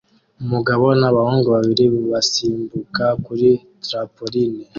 Umugabo nabahungu babiri basimbuka kuri trampoline